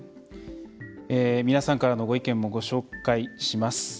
皆さんからのご意見もご紹介します。